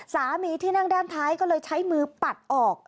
ที่นั่งด้านท้ายก็เลยใช้มือปัดออก